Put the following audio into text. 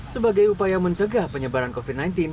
sebagai upaya mencegah penyebaran covid sembilan belas